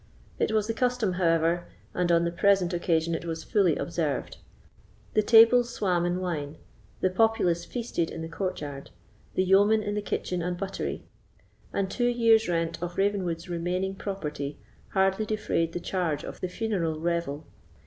It was the custom, however, and on the present occasion it was fully observed. The tables swam in wine, the populace feasted in the courtyard, the yeomen in the kitchen and buttery; and two years' rent of Ravenswood's remaining property hardly defrayed the charge of the funeral revel.